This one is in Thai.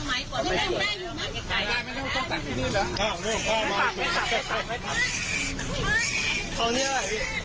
ไม่ต้องแข็งพี่นี่ละ